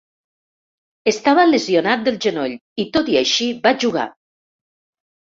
Estava lesionat del genoll i, tot i així, va jugar.